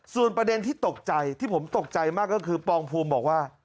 ส่วนประเด็นที่ตกใจที่ผมตกใจมากก็คือปองภูมิบอกว่า